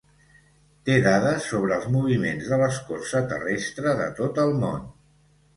Té dades sobre els moviments de l'escorça terrestre de tot el món.